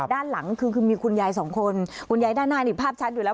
ด้านหลังคือมีคุณยายสองคนคุณยายด้านหน้านี่ภาพชัดอยู่แล้ว